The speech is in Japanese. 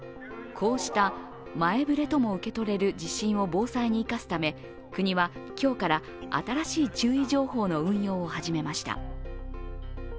こうした前触れとも受け取れる地震を防災に生かすため、国は今日から新しい注意情報の運用を始めました。